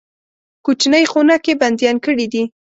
کوچنۍ خونه کې بندیان کړي دي.